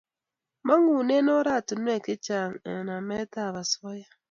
Mangune oratinwek che chang namet ab asoya